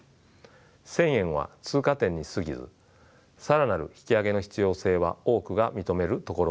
１，０００円は通過点に過ぎず更なる引き上げの必要性は多くが認めるところでしょう。